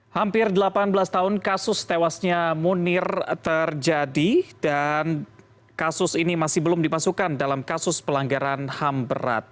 hampir delapan belas tahun kasus tewasnya munir terjadi dan kasus ini masih belum dimasukkan dalam kasus pelanggaran ham berat